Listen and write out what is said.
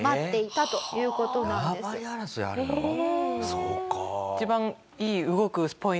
そうか。